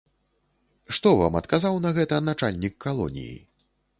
Што вам адказаў на гэта начальнік калоніі?